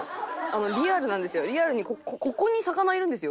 リアルなんですよ。